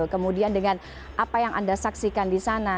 kemudian dengan apa yang anda saksikan di sana